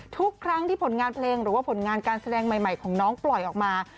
ทุกครั้งที่ผลงานเพลงหรือว่าผลงานการแสดงใหม่ของน้องปล่อยออกมา